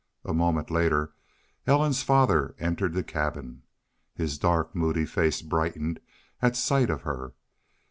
A moment later Ellen's father entered the cabin. His dark, moody face brightened at sight of her.